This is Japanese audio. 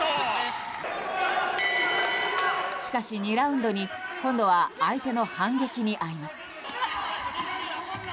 しかし２ラウンドに今度は相手の反撃に遭います。